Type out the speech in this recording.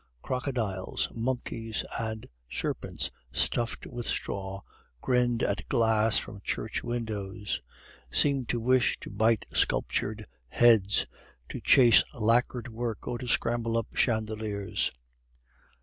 Crocodiles, monkeys, and serpents stuffed with straw grinned at glass from church windows, seemed to wish to bite sculptured heads, to chase lacquered work, or to scramble up chandeliers.